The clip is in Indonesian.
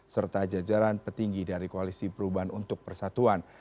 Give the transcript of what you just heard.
serta jajaran petinggi dari koalisi perubahan untuk persatuan